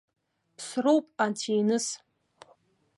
Ԥсроуп, анцәиныс.